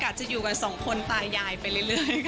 อาจจะอยู่กันสองคนตายายไปเรื่อย